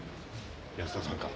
安田さんか。